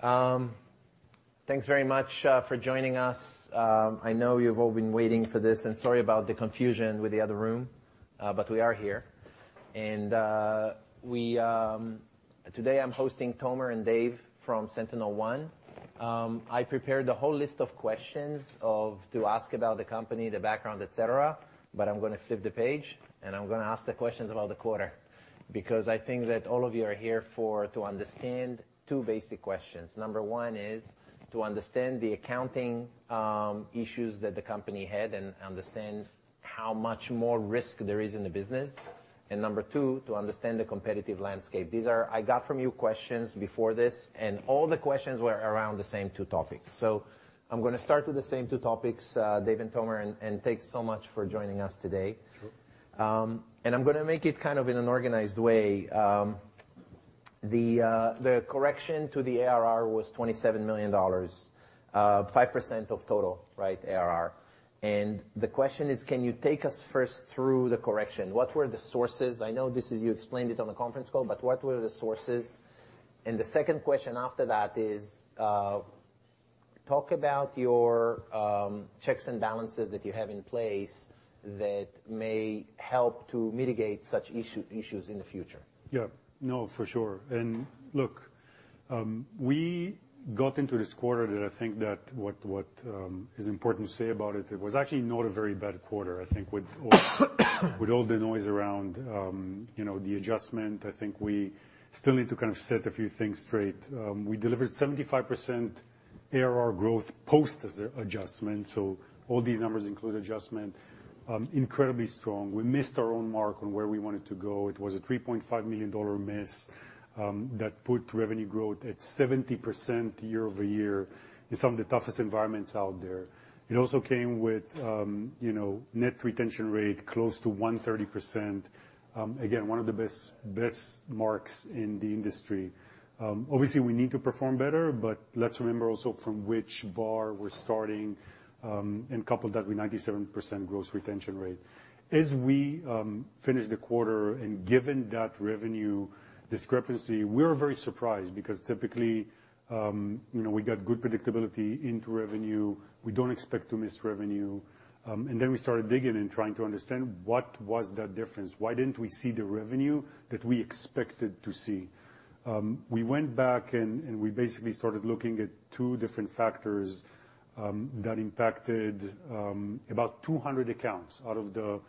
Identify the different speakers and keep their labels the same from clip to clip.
Speaker 1: Thanks very much for joining us. I know you've all been waiting for this, and sorry about the confusion with the other room, but we are here. Today I'm hosting Tomer and Dave from SentinelOne. I prepared a whole list of questions to ask about the company, the background, etc. But I'm gonna flip the page, and I'm gonna ask the questions about the quarter, because I think that all of you are here to understand two basic questions. Number one is to understand the accounting issues that the company had and understand how much more risk there is in the business. Number two, to understand the competitive landscape. I got from you questions before this, and all the questions were around the same two topics. I'm gonna start with the same two topics, Dave and Tomer, and thanks so much for joining us today.
Speaker 2: Sure.
Speaker 1: I'm gonna make it kind of in an organized way. The correction to the ARR was $27 million, 5% of total, right, ARR. The question is, can you take us first through the correction? What were the sources? I know this is. You explained it on the conference call, but what were the sources? The second question after that is, talk about your checks and balances that you have in place that may help to mitigate such issues in the future.
Speaker 2: Yeah. No, for sure. Look, we got into this quarter, that I think that what is important to say about it was actually not a very bad quarter. I think with all the noise around, you know, the adjustment, I think we still need to kind of set a few things straight. We delivered 75% ARR growth post as an adjustment, so all these numbers include adjustment. Incredibly strong. We missed our own mark on where we wanted to go. It was a $3.5 million miss, that put revenue growth at 70% year-over-year in some of the toughest environments out there. It also came with, you know, net retention rate close to 130%. Again, one of the best marks in the industry. Obviously, we need to perform better, but let's remember also from which bar we're starting, and couple that with 97% gross retention rate. As we finished the quarter and given that revenue discrepancy, we were very surprised, because typically, you know, we got good predictability into revenue. We don't expect to miss revenue. We started digging and trying to understand what was that difference? Why didn't we see the revenue that we expected to see? We went back and we basically started looking at 2 different factors that impacted about 200 accounts out of the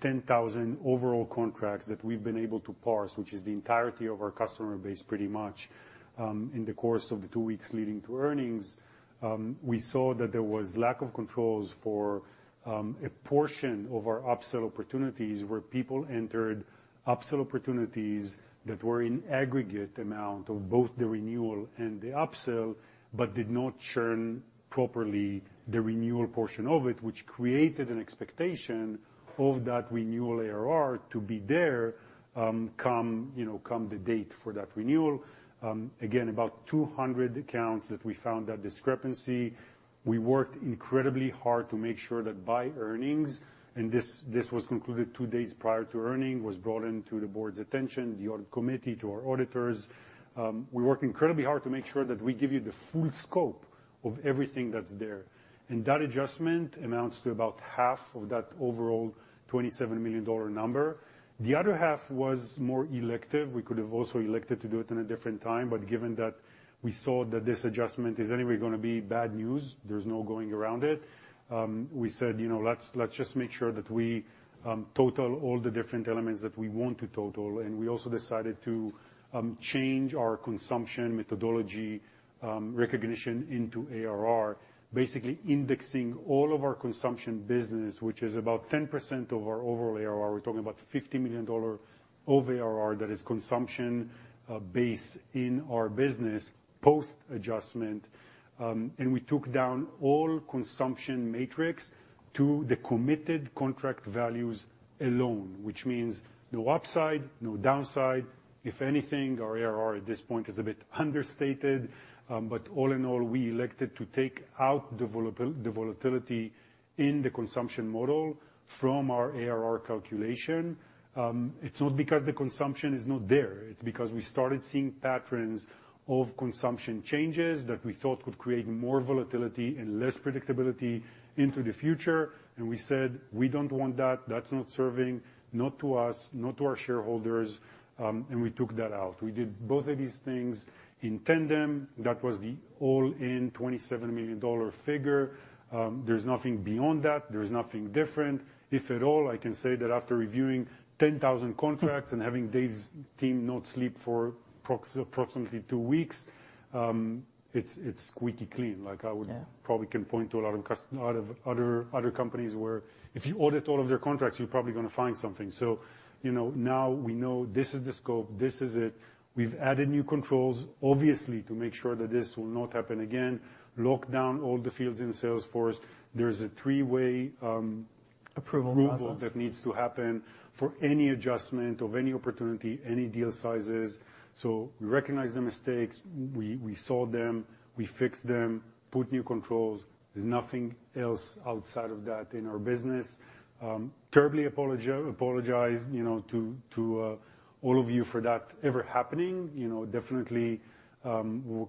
Speaker 2: 10,000 overall contracts that we've been able to parse, which is the entirety of our customer base, pretty much. In the course of the two weeks leading to earnings, we saw that there was lack of controls for a portion of our upsell opportunities, where people entered upsell opportunities that were in aggregate amount of both the renewal and the upsell, but did not churn properly the renewal portion of it, which created an expectation of that renewal ARR to be there, come, you know, come the date for that renewal. Again, about 200 accounts that we found that discrepancy. We worked incredibly hard to make sure that by earnings, and this was concluded two days prior to earning, was brought into the board's attention, the audit committee, to our auditors. We worked incredibly hard to make sure that we give you the full scope of everything that's there. That adjustment amounts to about half of that overall $27 million number. The other half was more elective. We could have also elected to do it in a different time, but given that we saw that this adjustment is anyway gonna be bad news, there's no going around it, we said, you know, "Let's just make sure that we total all the different elements that we want to total." We also decided to change our consumption methodology recognition into ARR, basically indexing all of our consumption business, which is about 10% of our overall ARR. We're talking about $50 million of ARR that is consumption base in our business post-adjustment. We took down all consumption matrix to the committed contract values alone, which means no upside, no downside. If anything, our ARR at this point is a bit understated. All in all, we elected to take out the volatility in the consumption model from our ARR calculation. It's not because the consumption is not there. It's because we started seeing patterns of consumption changes that we thought could create more volatility and less predictability into the future, and we said, "We don't want that. That's not serving, not to us, not to our shareholders," and we took that out. We did both of these things in tandem. That was the all-in $27 million figure. There's nothing beyond that. There's nothing different. If at all, I can say that after reviewing 10,000 contracts and having Dave's team not sleep for approximately two weeks, it's squeaky clean.
Speaker 1: Yeah
Speaker 2: Like I would probably can point to a lot of other companies where if you audit all of their contracts, you're probably gonna find something. You know, now we know this is the scope. This is it. We've added new controls, obviously, to make sure that this will not happen again. Lock down all the fields in Salesforce. There's a 3-way approval that needs to happen for any adjustment of any opportunity, any deal sizes. We recognize the mistakes, we saw them, we fixed them, put new controls. There's nothing else outside of that in our business. Terribly apologize, you know, to all of you for that ever happening. You know, definitely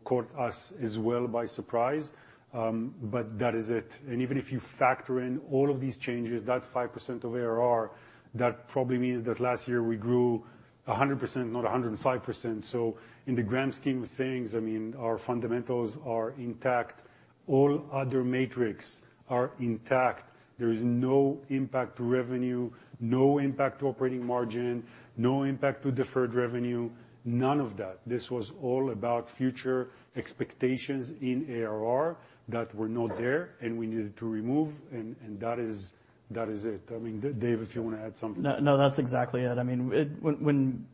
Speaker 2: caught us as well by surprise, that is it. Even if you factor in all of these changes, that 5% of ARR, that probably means that last year we grew 100%, not 105%. In the grand scheme of things, I mean, our fundamentals are intact. All other metrics are intact. There is no impact to revenue, no impact to operating margin, no impact to deferred revenue, none of that. This was all about future expectations in ARR that were not there, and we needed to remove, and that is it. I mean, Dave, if you want to add something.
Speaker 3: No, no, that's exactly it. I mean,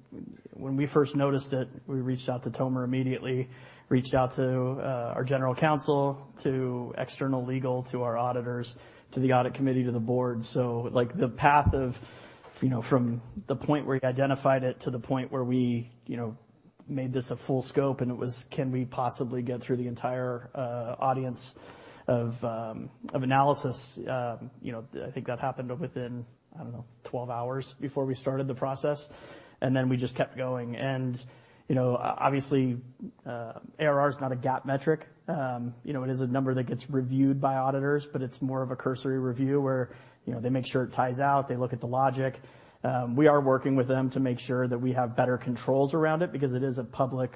Speaker 3: we first noticed it, we reached out to Tomer immediately, reached out to our general counsel, to external legal, to our auditors, to the audit committee, to the board. Like, the path of, you know, from the point where we identified it to the point where we, you know, made this a full scope, and it was can we possibly get through the entire audience of analysis? You know, I think that happened within, I don't know, 12 hours before we started the process, and then we just kept going. You know, obviously, ARR is not a GAAP metric. You know, it is a number that gets reviewed by auditors, but it's more of a cursory review, where, you know, they make sure it ties out, they look at the logic. We are working with them to make sure that we have better controls around it, because it is a public,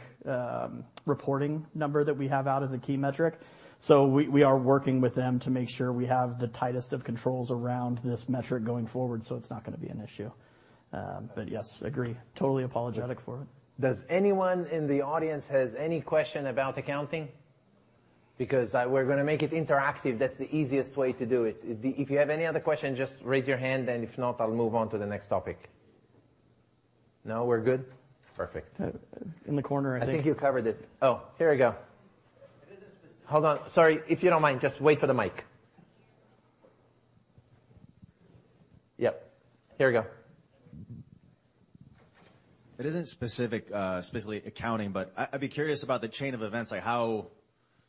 Speaker 3: reporting number that we have out as a key metric. We are working with them to make sure we have the tightest of controls around this metric going forward, so it's not gonna be an issue. Yes, agree. Totally apologetic for it.
Speaker 1: Does anyone in the audience has any question about accounting? We're gonna make it interactive. That's the easiest way to do it. If you have any other question, just raise your hand, if not, I'll move on to the next topic. No, we're good? Perfect.
Speaker 3: In the corner, I think.
Speaker 1: I think you covered it. Oh, here we go. Hold on. Sorry. If you don't mind, just wait for the mic. Yep, here we go.
Speaker 4: It isn't specific, specifically accounting, but I'd be curious about the chain of events, like how.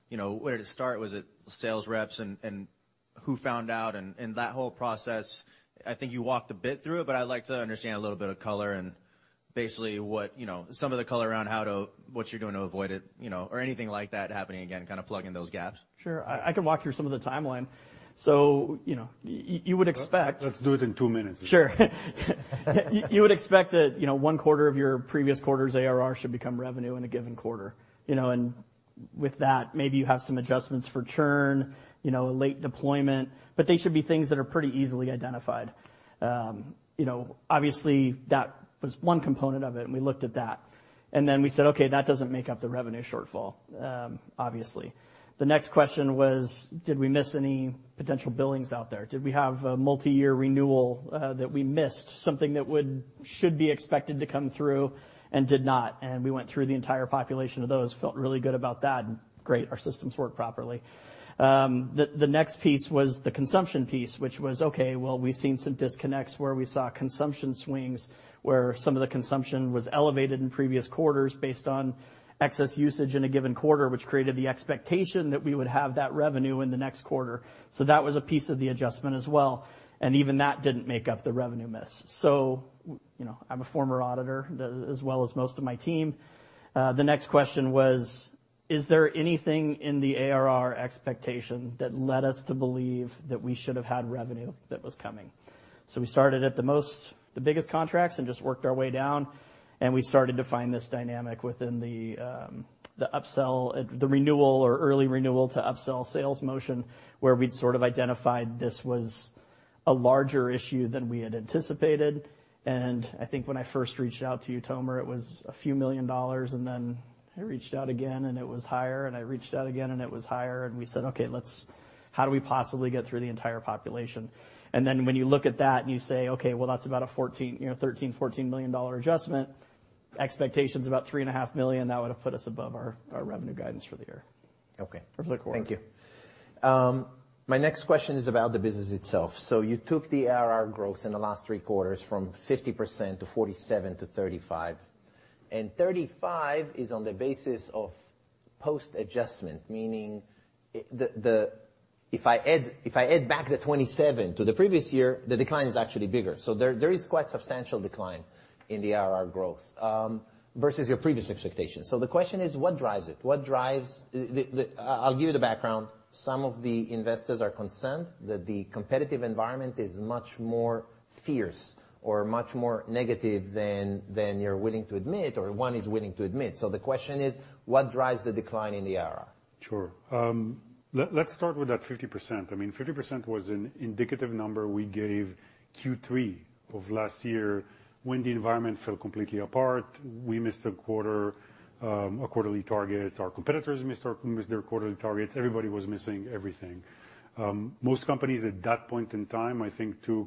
Speaker 4: You know, where did it start? Was it sales reps, and who found out? That whole process, I think you walked a bit through it, but I'd like to understand a little bit of color and basically what, you know, some of the color around what you're doing to avoid it, you know, or anything like that happening again, kind of plugging those gaps.
Speaker 3: Sure. I can walk through some of the timeline. You know, you would expect.
Speaker 2: Let's do it in two minutes.
Speaker 3: Sure. You would expect that, you know, one quarter of your previous quarter's ARR should become revenue in a given quarter. You know, with that, maybe you have some adjustments for churn, you know, late deployment, but they should be things that are pretty easily identified. You know, obviously, that was one component of it, and we looked at that, then we said: "Okay, that doesn't make up the revenue shortfall," obviously. The next question was, did we miss any potential billings out there? Did we have a multiyear renewal that we missed, something that should be expected to come through and did not? We went through the entire population of those, felt really good about that. Great, our systems work properly. The next piece was the consumption piece, which was, okay, well, we've seen some disconnects where we saw consumption swings, where some of the consumption was elevated in previous quarters based on excess usage in a given quarter, which created the expectation that we would have that revenue in the next quarter. That was a piece of the adjustment as well, and even that didn't make up the revenue miss. You know, I'm a former auditor, as well as most of my team. The next question was, is there anything in the ARR expectation that led us to believe that we should have had revenue that was coming? We started at the most the biggest contracts and just worked our way down, and we started to find this dynamic within the upsell, the renewal or early renewal to upsell sales motion, where we'd sort of identified this was a larger issue than we had anticipated. I think when I first reached out to you, Tomer, it was a few million dollars, and then I reached out again, and it was higher, and I reached out again, and it was higher. We said, "Okay, how do we possibly get through the entire population?" When you look at that and you say, "Okay, well, that's about a $13 million-$14 million adjustment," expectation's about $3.5 million, that would have put us above our revenue guidance for the year for the quarter.
Speaker 1: Thank you.
Speaker 4: My next question is about the business itself. You took the ARR growth in the last three quarters from 50% to 47 to 35, and 35 is on the basis of post-adjustment. If I add back the 27 to the previous year, the decline is actually bigger. There is quite substantial decline in the ARR growth versus your previous expectations. The question is, what drives it? What drives the... I'll give you the background. Some of the investors are concerned that the competitive environment is much more fierce or much more negative than you're willing to admit or one is willing to admit. The question is, what drives the decline in the ARR?
Speaker 2: Sure. Let's start with that 50%. I mean, 50% was an indicative number we gave Q3 of last year when the environment fell completely apart. We missed a quarter, a quarterly targets. Our competitors missed their quarterly targets. Everybody was missing everything. Most companies at that point in time, I think, you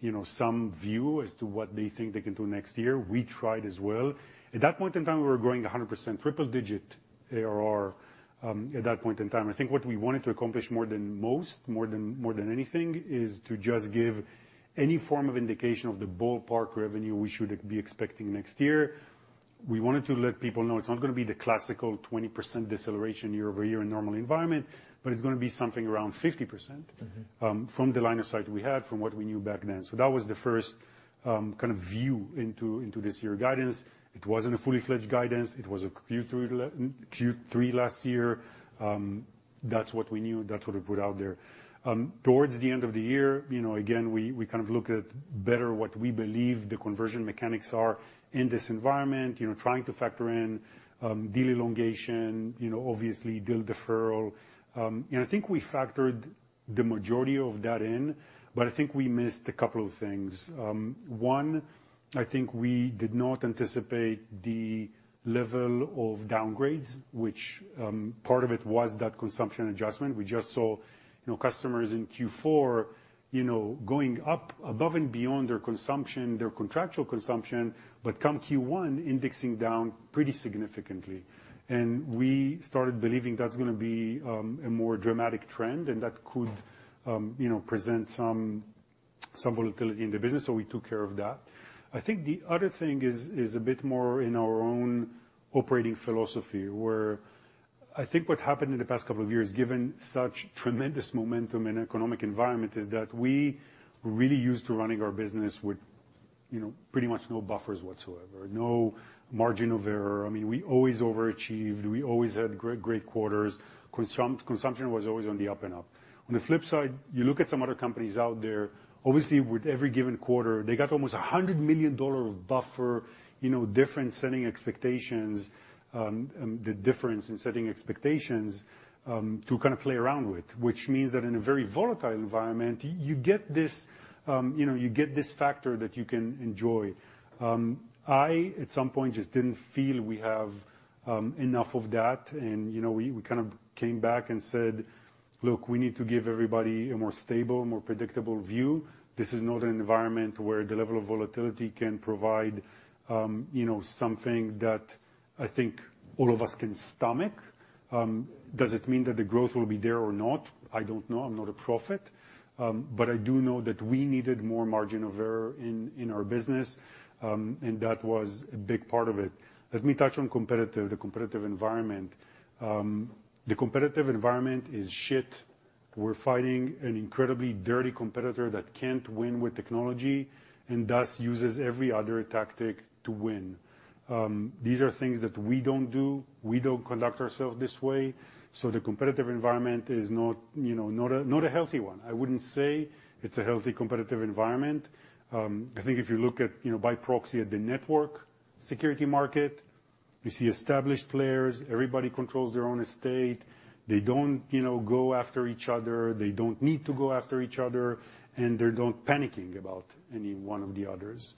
Speaker 2: know, some view as to what they think they can do next year. We tried as well. At that point in time, we were growing 100%, triple digit ARR, at that point in time. I think what we wanted to accomplish more than most, more than anything, is to just give any form of indication of the ballpark revenue we should be expecting next year. We wanted to let people know it's not gonna be the classical 20% deceleration year-over-year in normal environment, but it's gonna be something around 50%.
Speaker 1: Mm-hmm.
Speaker 2: From the line of sight we had, from what we knew back then. That was the first kind of view into this year's guidance. It wasn't a fully-fledged guidance. It was a Q3 last year. That's what we knew, and that's what we put out there. Towards the end of the year, you know, again, we kind of looked at better what we believe the conversion mechanics are in this environment. You know, trying to factor in deal elongation, you know, obviously, deal deferral. I think we factored the majority of that in, but I think we missed a couple of things. One, I think we did not anticipate the level of downgrades, which part of it was that consumption adjustment. We just saw, you know, customers in Q4, you know, going up above and beyond their consumption, their contractual consumption, but come Q1, indexing down pretty significantly. We started believing that's gonna be a more dramatic trend, and that could, you know, present some volatility in the business, so we took care of that. I think the other thing is a bit more in our own operating philosophy, where I think what happened in the past couple of years, given such tremendous momentum and economic environment, is that we were really used to running our business with, you know, pretty much no buffers whatsoever, no margin of error. I mean, we always overachieved. We always had great quarters. Consumption was always on the up and up. On the flip side, you look at some other companies out there, obviously, with every given quarter, they got almost $100 million of buffer, you know, different setting expectations, the difference in setting expectations to kind of play around with. Which means that in a very volatile environment, you get this, you know, you get this factor that you can enjoy. I, at some point, just didn't feel we have enough of that. You know, we kind of came back and said, "Look, we need to give everybody a more stable, more predictable view. This is not an environment where the level of volatility can provide, you know, something that I think all of us can stomach." Does it mean that the growth will be there or not? I don't know. I'm not a prophet. I do know that we needed more margin of error in our business, that was a big part of it. Let me touch on competitive, the competitive environment. The competitive environment is shit. We're fighting an incredibly dirty competitor that can't win with technology, thus, uses every other tactic to win. These are things that we don't do. We don't conduct ourselves this way, the competitive environment is not, you know, not a, not a healthy one. I wouldn't say it's a healthy, competitive environment. I think if you look at, you know, by proxy at the network security market, you see established players. Everybody controls their own estate. They don't, you know, go after each other. They don't need to go after each other, they're not panicking about any one of the others.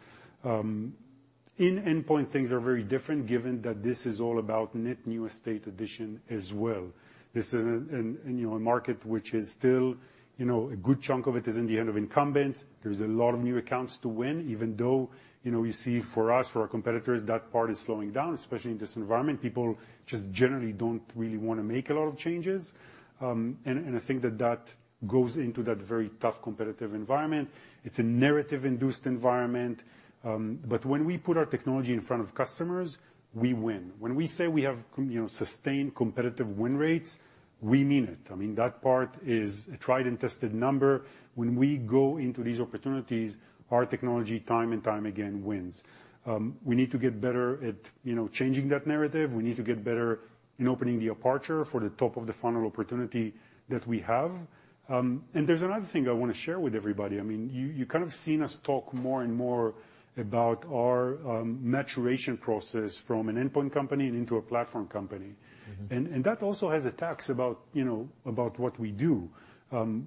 Speaker 2: In endpoint, things are very different, given that this is all about net new estate addition as well. This is, you know, a market which is still, you know, a good chunk of it is in the hand of incumbents. There's a lot of new accounts to win, even though, you know, you see for us, for our competitors, that part is slowing down, especially in this environment. People just generally don't really wanna make a lot of changes. I think that that goes into that very tough, competitive environment. It's a narrative-induced environment. When we put our technology in front of customers, we win. When we say we have, you know, sustained competitive win rates, we mean it. I mean, that part is a tried and tested number. When we go into these opportunities, our technology, time and time again, wins. We need to get better at, you know, changing that narrative. We need to get better in opening the aperture for the top-of-the-funnel opportunity that we have. There's another thing I wanna share with everybody. I mean, you kind of seen us talk more and more about our maturation process from an endpoint company and into a platform company. That also has a tax about, you know, about what we do.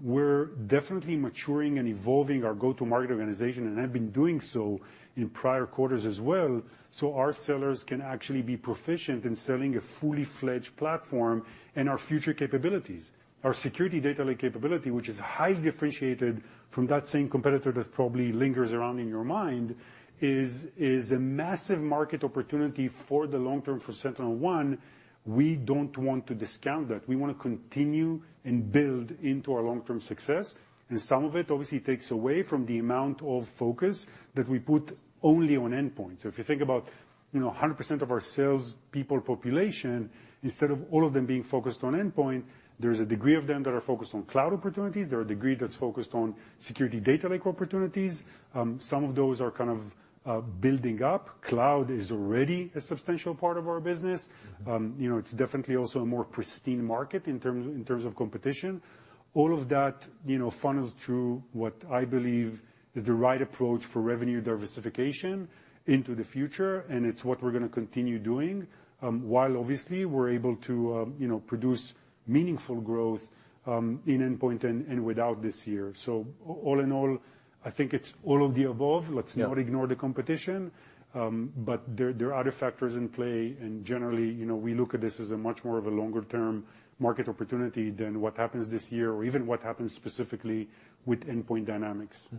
Speaker 2: We're definitely maturing and evolving our go-to-market organization, and have been doing so in prior quarters as well, so our sellers can actually be proficient in selling a fully fledged platform and our future capabilities. Our security data lake capability, which is highly differentiated from that same competitor that probably lingers around in your mind, is a massive market opportunity for the long term for SentinelOne. We don't want to discount that. We wanna continue and build into our long-term success, and some of it, obviously, takes away from the amount of focus that we put only on endpoint. If you think about, you know, 100% of our salespeople population, instead of all of them being focused on endpoint, there's a degree of them that are focused on cloud opportunities. There are a degree that's focused on security data lake opportunities. Some of those are kind of building up. Cloud is already a substantial part of our business. You know, it's definitely also a more pristine market in terms of competition. All of that, you know, funnels through what I believe is the right approach for revenue diversification into the future. It's what we're gonna continue doing while obviously, we're able to, you know, produce meaningful growth in endpoint and without this year. All in all, I think it's all of the above.
Speaker 1: Yeah.
Speaker 2: Let's not ignore the competition. There, there are other factors in play, and generally, you know, we look at this as a much more of a longer-term market opportunity than what happens this year or even what happens specifically with endpoint dynamics.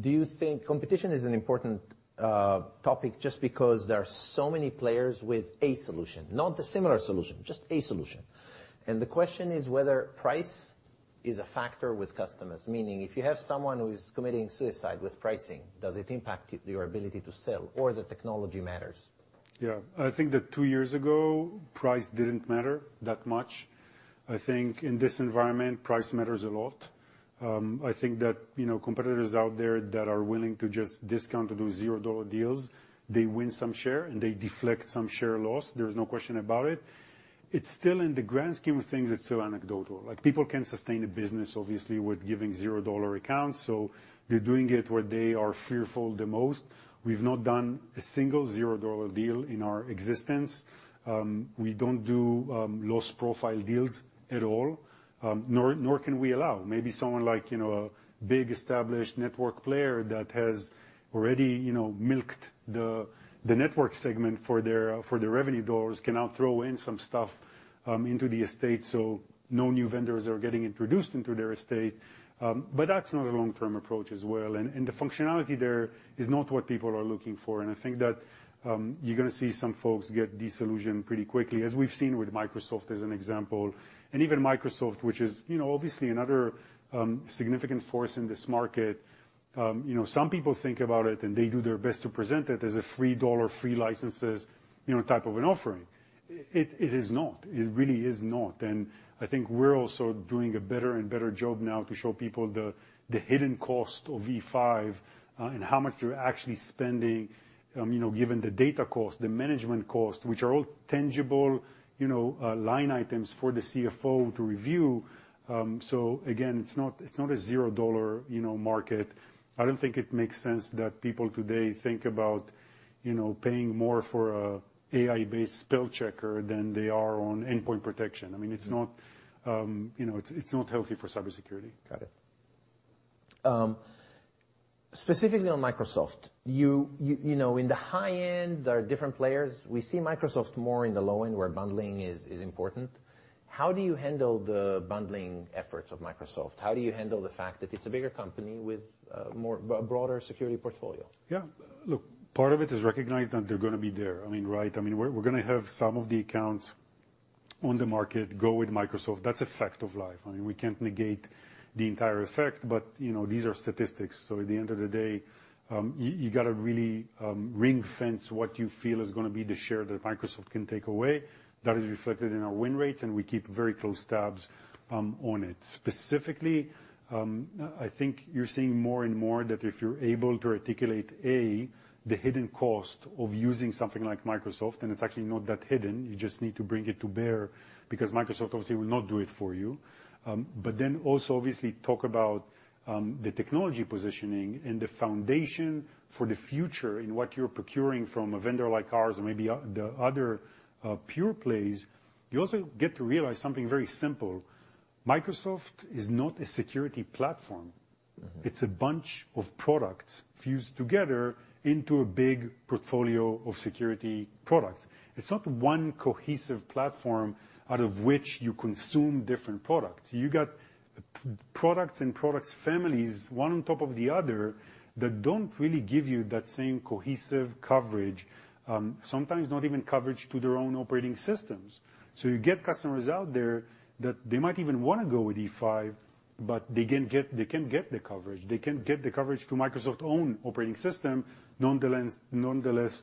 Speaker 4: Do you think competition is an important topic just because there are so many players with a solution? Not a similar solution, just a solution. The question is whether pricing is a factor with customers? Meaning, if you have someone who is committing suicide with pricing, does it impact it, your ability to sell, or the technology matters?
Speaker 2: Yeah. I think that two years ago, price didn't matter that much. I think in this environment, price matters a lot. I think that, you know, competitors out there that are willing to just discount to do $0 deals, they win some share, and they deflect some share loss. There's no question about it. It's still in the grand scheme of things, it's still anecdotal. Like, people can't sustain a business, obviously, with giving $0 accounts, so they're doing it where they are fearful the most. We've not done a single $0 deal in our existence. We don't do loss profile deals at all, nor can we allow. Maybe someone like, you know, a big established network player that has already, you know, milked the network segment for their revenue dollars, can now throw in some stuff into the estate, so no new vendors are getting introduced into their estate. That's not a long-term approach as well, and the functionality there is not what people are looking for, and I think that you're gonna see some folks get disillusioned pretty quickly, as we've seen with Microsoft, as an example. Even Microsoft, which is, you know, obviously another significant force in this market. You know, some people think about it, and they do their best to present it as a free dollar, free licenses, you know, type of an offering. It is not. It really is not. I think we're also doing a better and better job now to show people the hidden cost of E5, and how much you're actually spending, you know, given the data cost, the management cost, which are all tangible, you know, line items for the CFO to review. Again, it's not, it's not a zero dollar, you know, market. I don't think it makes sense that people today think about, you know, paying more for a AI-based spellchecker than they are on endpoint protection. I mean, it's not, you know, it's not healthy for cybersecurity.
Speaker 4: Got it. Specifically on Microsoft, you know, in the high end, there are different players. We see Microsoft more in the low end, where bundling is important. How do you handle the bundling efforts of Microsoft? How do you handle the fact that it's a bigger company with a broader security portfolio?
Speaker 2: Yeah. Look, part of it is recognized that they're gonna be there. I mean, right? I mean, we're gonna have some of the accounts on the market go with Microsoft. That's a fact of life. I mean, we can't negate the entire effect, but, you know, these are statistics. At the end of the day, you got to really ring-fence what you feel is gonna be the share that Microsoft can take away. That is reflected in our win rates, and we keep very close tabs on it. Specifically, I think you're seeing more and more that if you're able to articulate, A, the hidden cost of using something like Microsoft, and it's actually not that hidden, you just need to bring it to bear, because Microsoft obviously will not do it for you. Also, obviously, talk about the technology positioning and the foundation for the future in what you're procuring from a vendor like ours or maybe the other pure plays. You also get to realize something very simple: Microsoft is not a security platform. It's a bunch of products fused together into a big portfolio of security products. It's not one cohesive platform out of which you consume different products. You got products and products families, one on top of the other, that don't really give you that same cohesive coverage. Sometimes not even coverage to their own operating systems. You get customers out there that they might even wanna go with E5, but they can't get the coverage. They can't get the coverage to Microsoft's own operating system, nonetheless,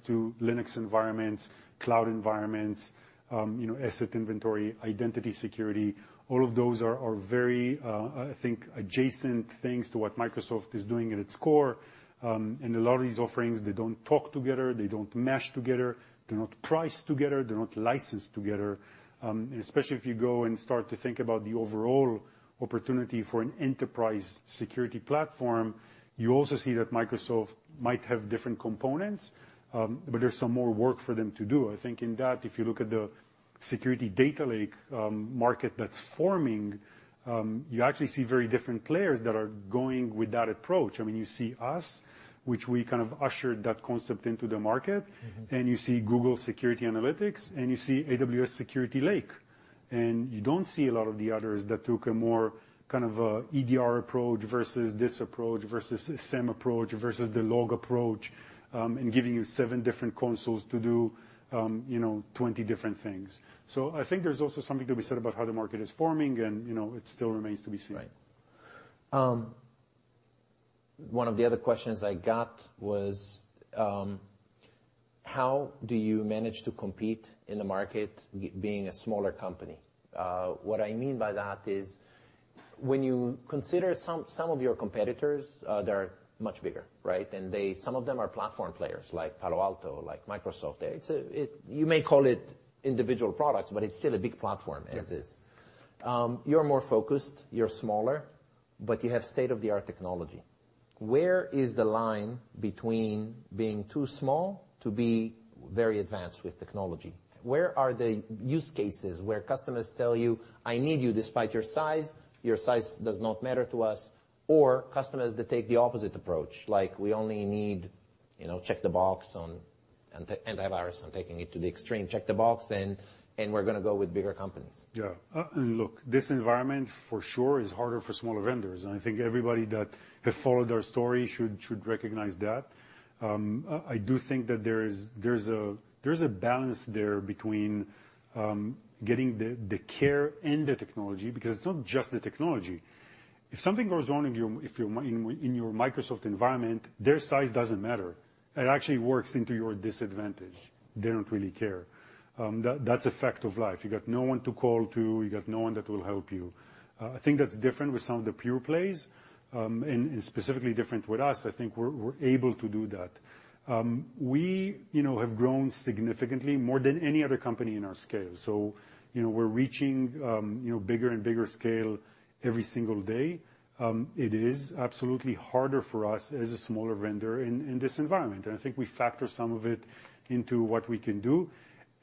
Speaker 2: to Linux environments, cloud environments, you know, asset inventory, identity security. All of those are very, I think, adjacent things to what Microsoft is doing at its core. A lot of these offerings, they don't talk together, they don't mesh together, they're not priced together, they're not licensed together. Especially if you go and start to think about the overall opportunity for an enterprise security platform, you also see that Microsoft might have different components, but there's some more work for them to do. I think in that, if you look at the security data lake, market that's forming, you actually see very different players that are going with that approach. I mean, you see us, which we kind of ushered that concept into the market- You see Google Security Operations, and you see Amazon Security Lake, and you don't see a lot of the others that took a more kind of EDR approach versus this approach, versus the same approach, versus the log approach, and giving you 7 different consoles to do, you know, 20 different things. I think there's also something to be said about how the market is forming, and, you know, it still remains to be seen.
Speaker 4: Right. One of the other questions I got was: How do you manage to compete in the market being a smaller company? What I mean by that is, when you consider some of your competitors, they're much bigger, right? Some of them are platform players, like Palo Alto, like Microsoft. You may call it individual products, but it's still a big platform as is. You're more focused, you're smaller, but you have state-of-the-art technology. Where is the line between being too small to be very advanced with technology? Where are the use cases where customers tell you, "I need you despite your size. Your size does not matter to us," or customers that take the opposite approach, like, "We only need, you know, check the box on antivirus," I'm taking it to the extreme. "Check the box, and we're gonna go with bigger companies.
Speaker 2: Yeah. Look, this environment, for sure, is harder for smaller vendors, and I think everybody that has followed our story should recognize that. I do think that there's a balance there between getting the care and the technology, because it's not just the technology. If something goes wrong in your Microsoft environment, their size doesn't matter. It actually works into your disadvantage. They don't really care. That's a fact of life. You got no one to call to, you got no one that will help you. I think that's different with some of the pure plays, specifically different with us. I think we're able to do that. We, you know, have grown significantly, more than any other company in our scale. you know, we're reaching, you know, bigger and bigger scale every single day. It is absolutely harder for us as a smaller vendor in this environment, and I think we factor some of it into what we can do.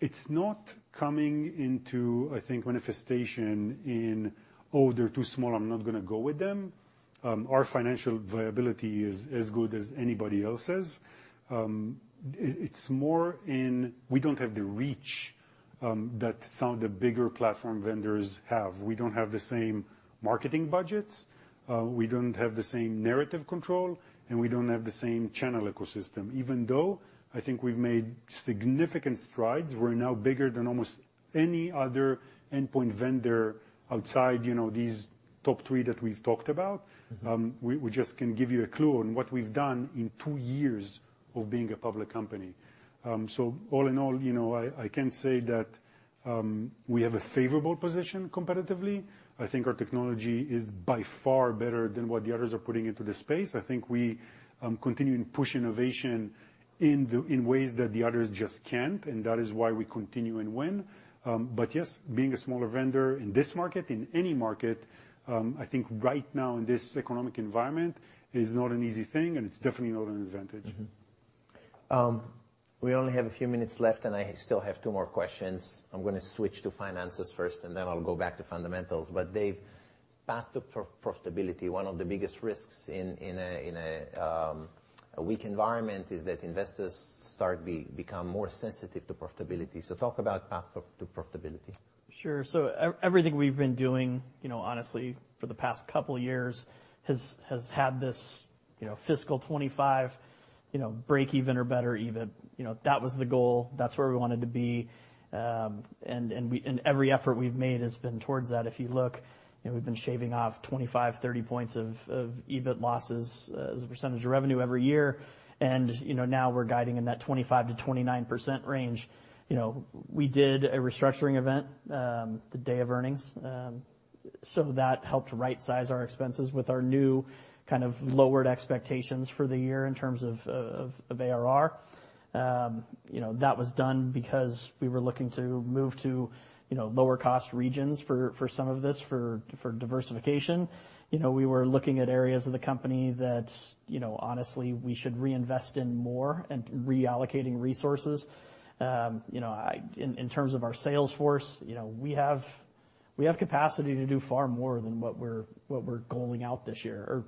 Speaker 2: It's not coming into, I think, manifestation in, "Oh, they're too small, I'm not gonna go with them." Our financial viability is as good as anybody else's. it's more in, we don't have the reach, that some of the bigger platform vendors have. We don't have the same marketing budgets, we don't have the same narrative control, and we don't have the same channel ecosystem, even though I think we've made significant strides. We're now bigger than almost any other endpoint vendor outside, you know, these top three that we've talked about. We just can give you a clue on what we've done in 2 years of being a public company. All in all, you know, I can say that, we have a favorable position competitively. I think our technology is by far better than what the others are putting into the space. I think we continue to push innovation in the, in ways that the others just can't, and that is why we continue and win. Yes, being a smaller vendor in this market, in any market, I think right now in this economic environment, is not an easy thing, and it's definitely not an advantage.
Speaker 4: We only have a few minutes left, and I still have two more questions. I'm gonna switch to finances first, and then I'll go back to fundamentals. Dave, path to profitability, one of the biggest risks in a, in a weak environment, is that investors start become more sensitive to profitability. Talk about path to profitability.
Speaker 3: Sure. Everything we've been doing, you know, honestly, for the past couple years, has had this, you know, fiscal 25, you know, break even or better EBIT. You know, that was the goal. That's where we wanted to be. Every effort we've made has been towards that. If you look, you know, we've been shaving off 25, 30 points of EBIT losses as a percentage of revenue every year, and, you know, now we're guiding in that 25%-29% range. You know, we did a restructuring event, the day of earnings, so that helped right size our expenses with our new kind of lowered expectations for the year in terms of ARR. You know, that was done because we were looking to move to, you know, lower cost regions for some of this, for diversification. You know, we were looking at areas of the company that, you know, honestly, we should reinvest in more and reallocating resources. You know, in terms of our sales force, you know, we have capacity to do far more than what we're goaling out this year, or,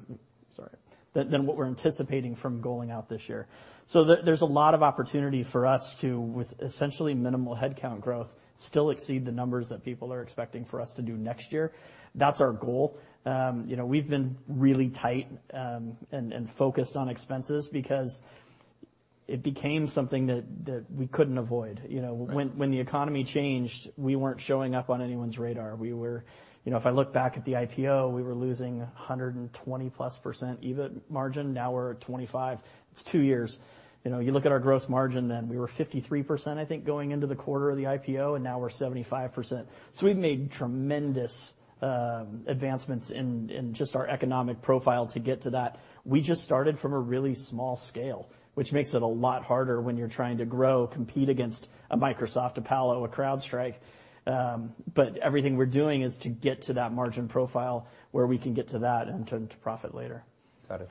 Speaker 3: sorry, than what we're anticipating from goaling out this year. There's a lot of opportunity for us to, with essentially minimal headcount growth, still exceed the numbers that people are expecting for us to do next year. That's our goal. You know, we've been really tight and focused on expenses because it became something that we couldn't avoid. You know. When the economy changed, we weren't showing up on anyone's radar. You know, if I look back at the IPO, we were losing 120% EBIT margin. Now we're at 25. It's two years. You know, you look at our gross margin then, we were 53%, I think, going into the quarter of the IPO, and now we're 75%. We've made tremendous advancements in just our economic profile to get to that. We just started from a really small scale, which makes it a lot harder when you're trying to grow, compete against a Microsoft, a Palo, a CrowdStrike. Everything we're doing is to get to that margin profile where we can get to that and turn to profit later.
Speaker 4: Got it.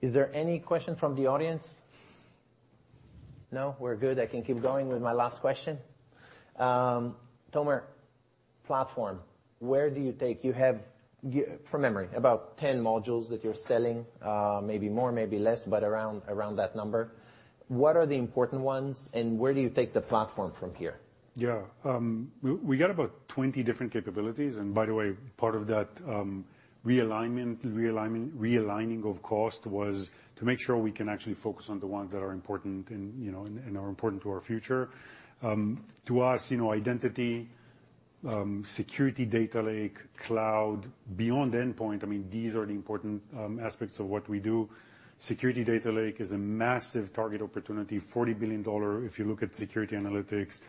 Speaker 4: Is there any question from the audience? No, we're good. I can keep going with my last question. Tomer, platform, where do you take, you have, from memory, about 10 modules that you're selling, maybe more, maybe less, but around that number. What are the important ones, and where do you take the platform from here?
Speaker 2: Yeah. We got about 20 different capabilities. By the way, part of that realigning of cost was to make sure we can actually focus on the ones that are important and, you know, are important to our future. To us, you know, identity, security data lake, cloud, beyond endpoint, I mean, these are the important aspects of what we do. Security data lake is a massive target opportunity, $40 billion, if you look at security analytics,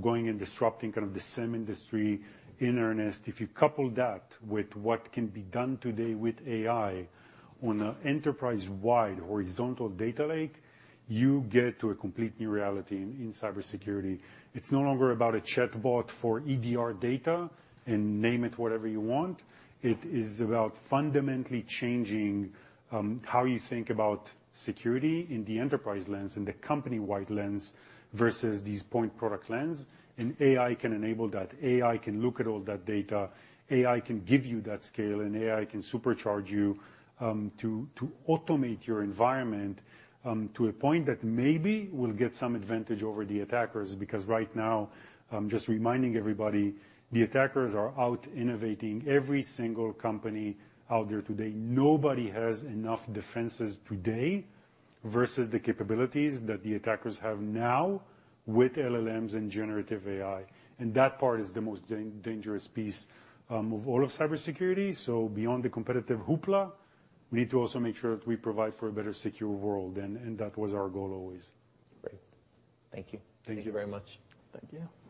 Speaker 2: going and disrupting kind of the SIEM industry in earnest. If you couple that with what can be done today with AI on an enterprise-wide horizontal data lake, you get to a complete new reality in cybersecurity. It's no longer about a Chatbot for EDR data and name it whatever you want. It is about fundamentally changing how you think about security in the enterprise lens and the company-wide lens versus these point product lens, and AI can enable that. AI can look at all that data, AI can give you that scale, and AI can supercharge you to automate your environment to a point that maybe will get some advantage over the attackers. Right now, just reminding everybody, the attackers are out innovating every single company out there today. Nobody has enough defenses today versus the capabilities that the attackers have now with LLMs and generative AI, and that part is the most dangerous piece of all of cybersecurity. Beyond the competitive hoopla, we need to also make sure that we provide for a better secure world, and that was our goal always.
Speaker 4: Great. Thank you.
Speaker 2: Thank you very much.
Speaker 3: Thank you.
Speaker 1: Thanks.